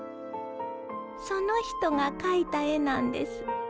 その人が描いた絵なんです。